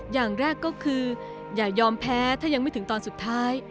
อย่างแรกก็คืออย่ายอมแพ้ถ้ายังไม่ถึงตอนสุดท้าย